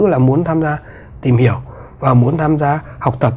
là muốn tham gia tìm hiểu và muốn tham gia học tập